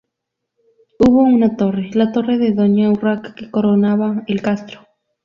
Hubo una torre, la torre de Doña Urraca que coronaba el castro.